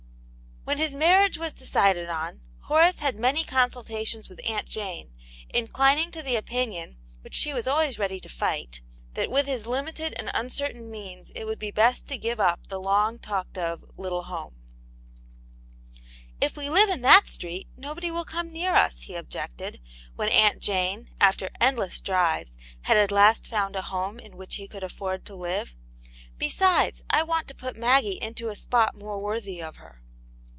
When his marriage was decided on, Horace had many consultations with Aunt Jane, inclining to the opinion, which she was aWaya t^^dj^ \.c> ^^p^^ '^''^ 96 Aunt Jane's Hero. with Ills limited and uncertain means it would be best to give up the long talked of little home, "If we live in that street nobody will come near us/' he objected, when Aunt Jane, after endless drives, had at last found a house in which he could afford to five. " Besides, I want to put Maggie into a spot more worthy of her."